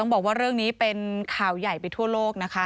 บอกว่าเรื่องนี้เป็นข่าวใหญ่ไปทั่วโลกนะคะ